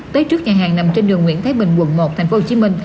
tới trước nhà hàng nằm trên đường nguyễn thái bình quận một tp hcm